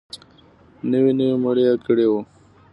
نوې نوي مړي يې کړي وو.